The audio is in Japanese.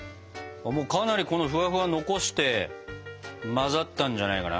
かなりこのフワフワ残して混ざったんじゃないかな？